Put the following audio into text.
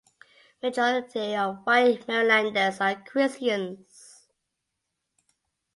The majority of white Marylanders are Christians.